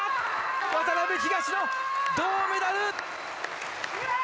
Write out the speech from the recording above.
渡辺、東野、銅メダル！